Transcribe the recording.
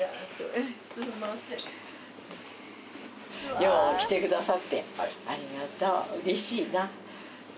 よう来てくださってありがとううれしいな。